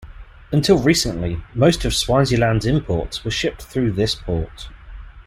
Until recently, most of Swaziland's imports were shipped through this port.